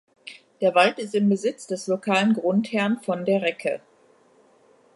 Der Wald ist im Besitz des lokalen Grundherrn von der Recke.